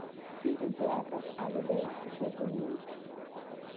কিন্তু যে আকাশ আলো দেয় সে যে নীল।